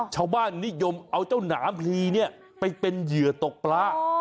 ชาวบ้านนิยมเอาเจ้าหนามพลีเนี่ยไปเป็นเหยื่อตกปลา